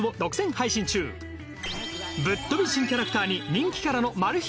ぶっ飛び新キャラクターに人気キャラのマル秘